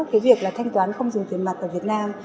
cái việc là thanh toán không dùng tiền mặt ở việt nam